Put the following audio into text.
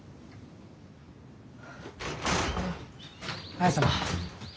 綾様。